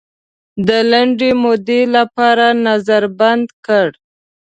د لنډې مودې لپاره نظر بند کړ.